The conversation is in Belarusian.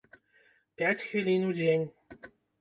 Пяць хвілін у дзень.